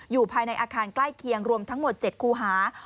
อยู่ในอาคารใกล้เคียงรวมทั้งหมด๗คูหา